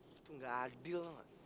itu gak adil